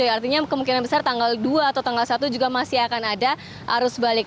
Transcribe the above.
artinya kemungkinan besar tanggal dua atau tanggal satu juga masih akan ada arus balik